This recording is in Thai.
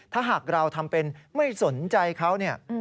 ถ้าหากเราทำเป็นไม่สนใจเขาเนี่ย